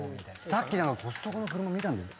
さっきコストコの車見たんだよ。